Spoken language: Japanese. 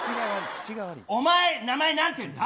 お前、名前なんていうんだ。